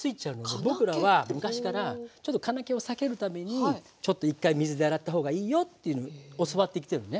僕らは昔からちょっと金気を避けるためにちょっと一回水で洗った方がいいよっていうのを教わってきてるのね。